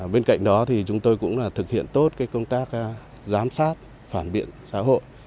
bên cạnh đó thì chúng tôi cũng thực hiện tốt công tác giám sát phản biện xã hội